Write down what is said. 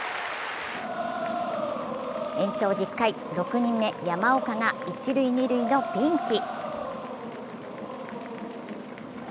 延長１０回、６人目・山岡が一・二塁のピンチ。